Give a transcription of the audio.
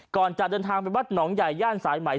ก่อนจะเดินทางไปวัดหนองใหญ่ย่านสายไหม